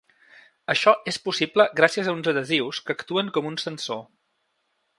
Això és possible gràcies a uns adhesius que actuen com un sensor.